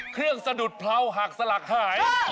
เครื่องสะดุดเผร่าหักสลักหาย